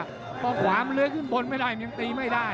เพราะขวามือเลยขึ้นบนไม่ได้ยังตีไม่ได้